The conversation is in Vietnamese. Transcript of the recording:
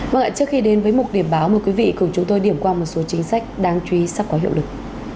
vâng ạ trước khi đến với một điểm báo mời quý vị cùng chúng tôi điểm qua một số chính sách đang truy sắp có hiệu lực